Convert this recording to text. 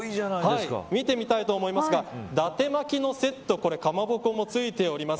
見てみたいと思いますが伊達巻のセットかまぼこも付いております。